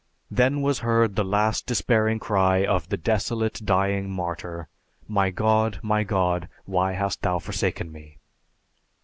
Then was heard the last despairing cry of the desolate, dying martyr, "My God, My God, why hast thou forsaken me?"